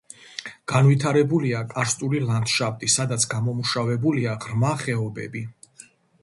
განვითარებულია კარსტული ლანდშაფტი, სადაც გამომუშავებულია ღრმა ხეობები.